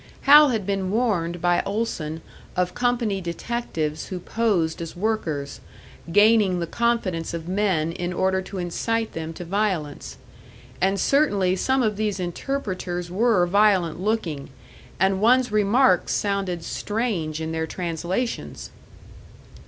Hal had been warned by Olson of company detectives who posed as workers, gaining the confidence of men in order to incite them to violence. And certainly some of these interpreters were violent looking, and one's remarks sounded strange in their translations!